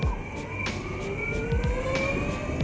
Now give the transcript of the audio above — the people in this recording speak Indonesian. pembangunan komunikasi jakarta